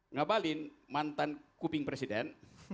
ngabalin mantan kuping presiden